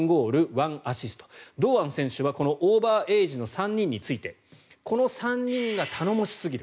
１アシスト堂安選手はオーバーエイジの３人についてこの３人が頼もしすぎる。